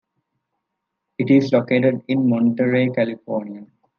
It is located in Monterey, California.